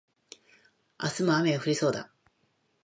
明日も雨が降りそうだ